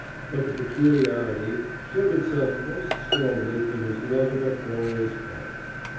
But the peculiarity showed itself most strongly in his love of uproarious fun.